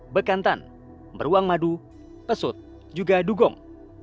bekantan beruang madu pesut juga dugong